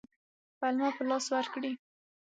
پلمه په لاس ورکړي.